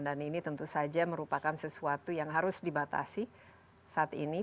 dan ini tentu saja merupakan sesuatu yang harus dibatasi saat ini